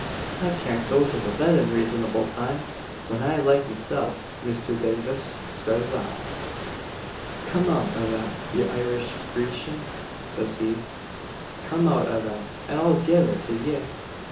I shall go to the bed in reasonable time, when I like me self, Misther Davis, says I. Come out o' that, ye Irish Grecian, says he come out o' that, and I'll give it to ye!